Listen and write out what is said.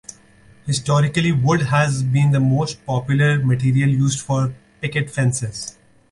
Historically, wood has been the most popular material used for picket fences.